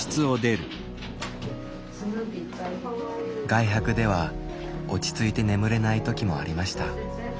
外泊では落ち着いて眠れない時もありました。